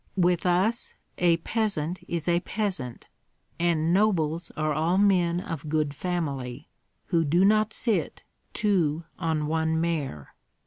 With us a peasant is a peasant, and nobles are all men of good family, who do not sit two on one mare.